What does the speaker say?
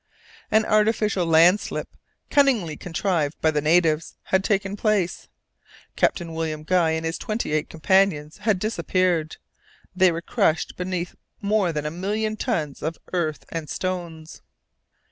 An artificial landslip, cunningly contrived by the natives, had taken place. Captain William Guy and his twenty eight companions had disappeared; they were crushed beneath more than a million tons of earth and stones.